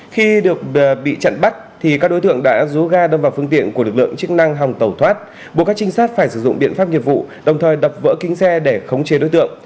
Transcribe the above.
khi được bị chặn bắt thì các đối tượng đã rú ga đâm vào phương tiện của lực lượng chức năng hòng tẩu thoát buộc các trinh sát phải sử dụng biện pháp nghiệp vụ đồng thời đập vỡ kính xe để khống chế đối tượng